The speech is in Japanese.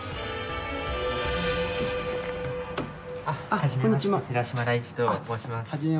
はじめまして寺嶋大智と申します。